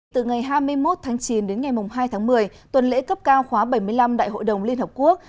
từ ngày hai mươi một tháng chín đến ngày hai tháng một mươi tuần lễ cấp cao khóa bảy mươi năm đại hội đồng liên hợp quốc